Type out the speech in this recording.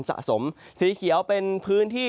สะสมสีเขียวเป็นพื้นที่